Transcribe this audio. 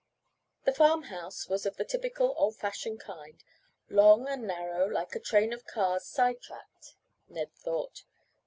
The farm house was of the typical old fashioned kind; long and narrow, like a train of cars side tracked, Ned thought.